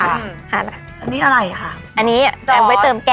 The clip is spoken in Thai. อันนี้อะไรคะ